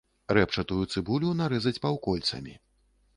Рэпчатую цыбулю нарэзаць паўкольцамі.